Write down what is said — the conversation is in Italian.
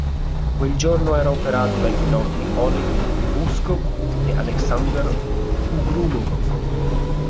Quel giorno era operato dai piloti Oleg Pripouskov e Alexander Ougromov.